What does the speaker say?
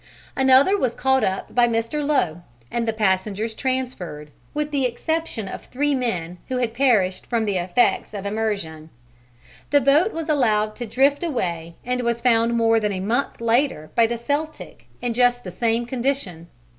Another was caught up by Mr. Lowe and the passengers transferred, with the exception of three men who had perished from the effects of immersion. The boat was allowed to drift away and was found more than a month later by the Celtic in just the same condition.